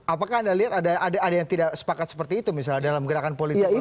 apakah anda lihat ada yang tidak sepakat seperti itu misalnya dalam gerakan politik